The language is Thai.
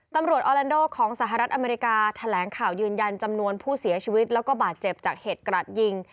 ออแลนโดของสหรัฐอเมริกาแถลงข่าวยืนยันจำนวนผู้เสียชีวิตแล้วก็บาดเจ็บจากเหตุกระดยิง